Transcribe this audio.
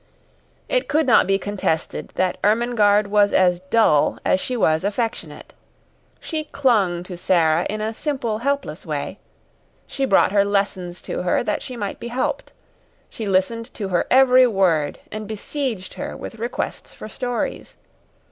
It could not be contested that Ermengarde was as dull as she was affectionate. She clung to Sara in a simple, helpless way; she brought her lessons to her that she might be helped; she listened to her every word and besieged her with requests for stories.